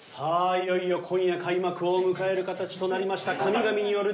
いよいよ今夜開幕を迎える形となりました。